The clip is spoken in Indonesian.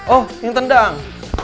oh yang tendang